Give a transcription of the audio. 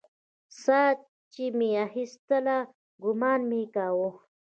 ساه چې مې اخيستله ګومان مې کاوه.